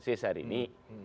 sejak hari ini